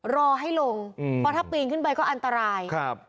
รอให้ลงเพราะถ้าปีนขึ้นไปก็อันตรายครับ